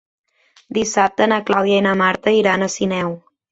Dissabte na Clàudia i na Marta iran a Sineu.